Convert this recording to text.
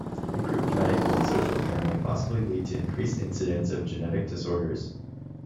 Improved medical and social care may possibly lead to increased incidence of genetic disorders.